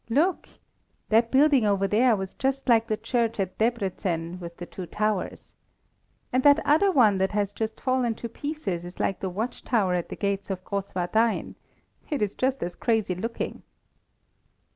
"Look! that building over there was just like the church at Debreczen with the two towers. And that other one that has just fallen to pieces is like the watch tower at the gates of Grosswardein it is just as crazy looking."